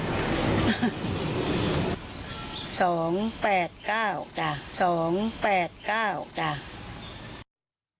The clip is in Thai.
ตรงนี้คนก็ใกล้มันก็เรียกถูก